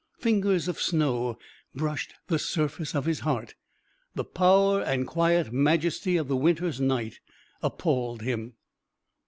Fingers of snow brushed the surface of his heart. The power and quiet majesty of the winter's night appalled him....